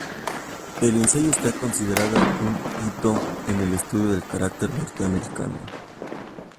El ensayo esta considerado un hito en el estudio del carácter norteamericano.